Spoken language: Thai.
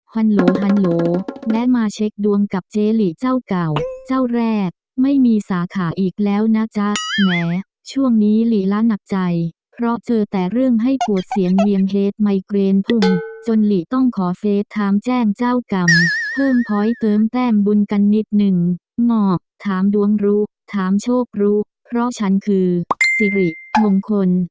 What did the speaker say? ฮันโหลฮันโหลและมาเช็คดวงกับเจหลีเจ้าเก่าเจ้าแรกไม่มีสาขาอีกแล้วนะจ๊ะแหมช่วงนี้หลีละหนักใจเพราะเจอแต่เรื่องให้ปวดเสียงเวียมเฮดไมเกรนพุงจนหลีต้องขอเฟสถามแจ้งเจ้ากรรมเพิ่มพ้อยเติมแต้มบุญกันนิดนึงเหงากถามดวงรู้ถามโชครู้เพราะฉันคือสิริมงคล